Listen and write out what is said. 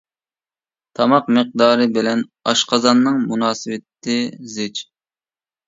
تاماق مىقدارى بىلەن ئاشقازاننىڭ مۇناسىۋىتى زىچ.